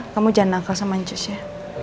kamu jangan angkat sama ncus ya